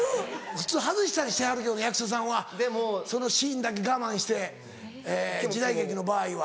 普通外したりしはるけどな役者さんはそのシーンだけ我慢して時代劇の場合は。